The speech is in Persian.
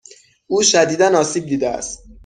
او شدیدا آسیب دیده است.